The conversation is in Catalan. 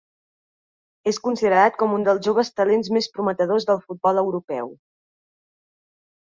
És considerat com un dels joves talents més prometedors del futbol europeu.